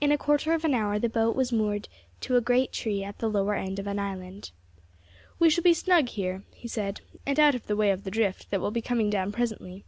In a quarter of an hour the boat was moored to a great tree at the lower end of an island. "We shall be snug here," he said, "and out of the way of the drift that will be coming down presently.